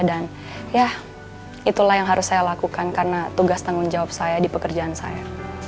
dan ya itulah yang harus saya lakukan karena tugas tanggung jawab saya di pekerjaan saya